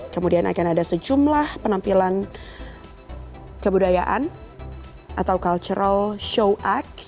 kemudian akan ada sejumlah penampilan kebudayaan atau cultural show act